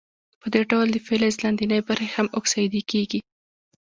په دې ډول د فلز لاندینۍ برخې هم اکسیدي کیږي.